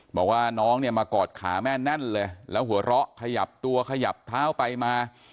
บอกว่าน้องเนี่ยมากอดขาแม่แน่นเลยแล้วหัวเราะขยับตัวขยับเท้าไปมา